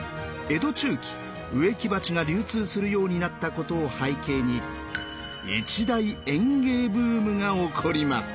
江戸中期植木鉢が流通するようになったことを背景に一大園芸ブームが起こります。